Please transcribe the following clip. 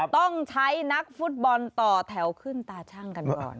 ต้องใช้นักฟุตบอลต่อแถวขึ้นตาชั่งกันก่อน